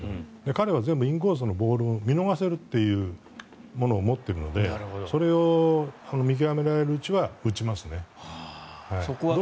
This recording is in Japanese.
彼は全部インコースのボールを見逃せるというものを持っているのでそれを見極められるうちは打ちますね。